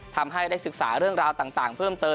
ทำให้ได้ศึกษาเรื่องราวต่างเพิ่มเติม